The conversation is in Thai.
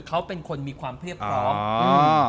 เขาเป็นคนมีความเรียบพร้อมอืม